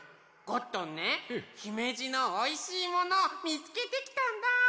ゴットンねひめじのおいしいものをみつけてきたんだ！